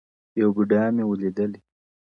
یو بوډا مي وو لیدلی-